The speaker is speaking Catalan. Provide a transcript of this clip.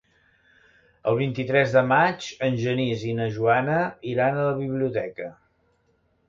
El vint-i-tres de maig en Genís i na Joana iran a la biblioteca.